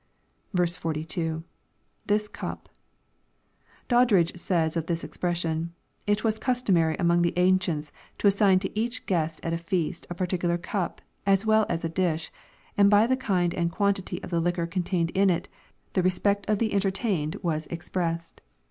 12. — [This cup.] Doddridge says, of this expression, *' It was cus tomary among the ancients to assign to each guest at a feast a par ticular cup, as 'svell as a dish, and by the kind and quantity of the Jiquor contained in it, the respect of tho entertained was expressed.